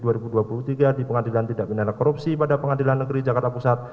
tiga menyatakan bahwa pengadilan tindak binana korupsi pada pengadilan negeri jakarta pusat